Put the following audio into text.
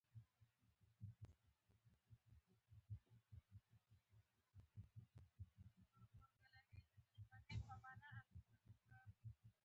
انتي فریز په موټرونو کې د یخ ضد دی.